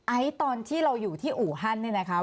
ไอซ์ตอนที่เราอยู่ที่อู่ฮั่นเนี่ยนะคะ